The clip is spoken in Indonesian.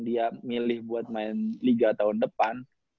dia milih buat main liga tahun depan